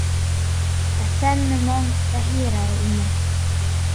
Хәсән менән Таһира инә.